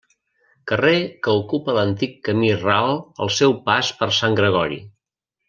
Carrer que ocupa l'antic Camí Ral al seu pas per Sant Gregori.